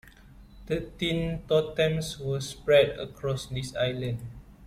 Thirteen totems were spread across this island.